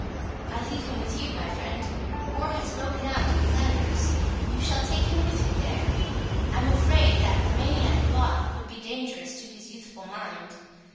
"I leave him with you, my friend. War has broken out in Flanders. You shall take him with you there. I am afraid that remaining at Blois would be dangerous to his youthful mind.